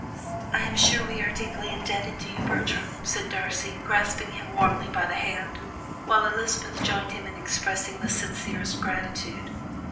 "I am sure we are deeply indebted to you, Bertram," said Darcy, grasping him warmly by the hand, while Elizabeth joined him in expressing the sincerest gratitude.